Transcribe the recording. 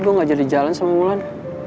gue gak jadi jalan sama mulan